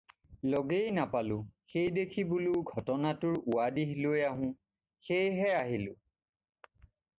লগেই নাপালোঁ, সেই দেখি বোলো ঘটনাটোৰ উৱাদিহ লৈ আহোঁ, সেই হে আহিলোঁ।